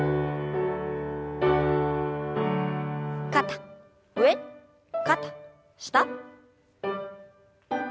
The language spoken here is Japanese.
肩上肩下。